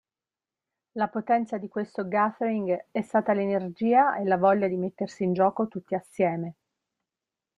La potenza di questo Gathering è stata l'energia e la voglia di mettersi in gioco tutti assieme.